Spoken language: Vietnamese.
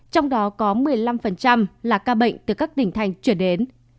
trong đó có một mươi năm là ca bệnh từ các tỉnh thành chuyển đến